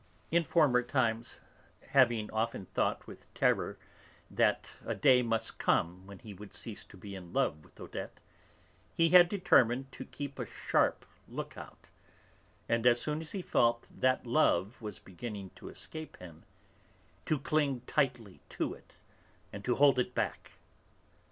In former times, having often thought with terror that a day must come when he would cease to be in love with Odette, he had determined to keep a sharp look out, and as soon as he felt that love was beginning to escape him, to cling tightly to it and to hold it back.